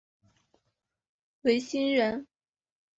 讳熙仁。